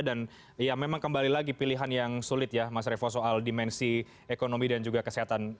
dan ya memang kembali lagi pilihan yang sulit ya mas revo soal dimensi ekonomi dan juga kesehatan